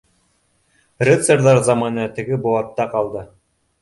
Рыцарҙар заманы теге быуатта ҡалды